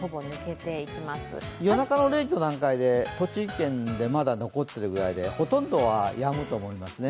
夜中の０時の段階で栃木県に少し残っているぐらいでほとんどは、やむと思いますね。